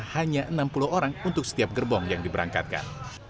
hanya enam puluh orang untuk setiap gerbong yang diberangkatkan